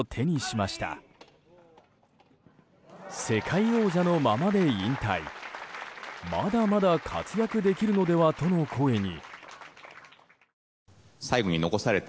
まだまだ活躍できるのではとの声に。